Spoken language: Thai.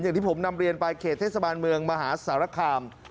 อย่างที่ผมนำเรียนไปเขตเทศบาลเมืองมหาสารคาม